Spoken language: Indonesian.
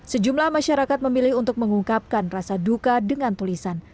sejumlah masyarakat memilih untuk mengungkapkan rasa duka dengan tulisan